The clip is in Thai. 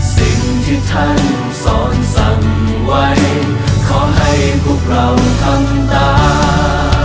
สิ่งที่ท่านสอนสั่งไว้ขอให้พวกเราทำตา